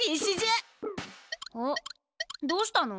あっどうしたの？